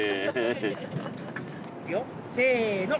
いくよせの！